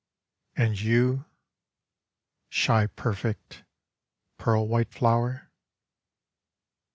And you, shy perfect pearl white flower?